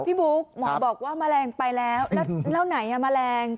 บุ๊คหมอบอกว่าแมลงไปแล้วแล้วไหนแมลง